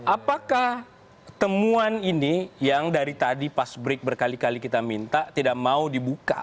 apakah temuan ini yang dari tadi pas break berkali kali kita minta tidak mau dibuka